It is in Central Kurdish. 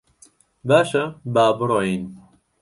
باشە، با بڕۆین.